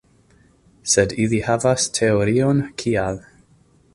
Sed li havas teorion kial.